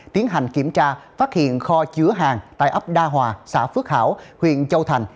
tiến hành kiểm tra phát hiện kho chứa hàng tại ấp đa hòa xã phước hảo huyện châu thành